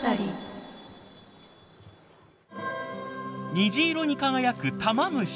虹色に輝くタマムシ。